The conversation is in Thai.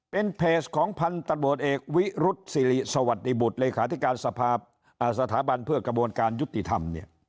เป็นเพจของพันธุ์ตำรวจเอกวิรุษฎิบุตรหลักฐานสถาบันเพื่อกระบวนการยุติธรรม